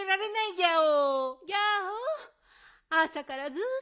ギャオ。